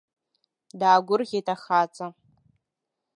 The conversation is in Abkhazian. Даагәырӷьеит ахаҵа.